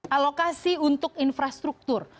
alokasi untuk infrastruktur